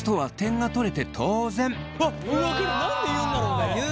何で言うんだろうね。